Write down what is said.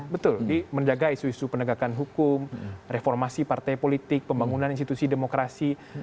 betul menjaga isu isu penegakan hukum reformasi partai politik pembangunan institusi demokrasi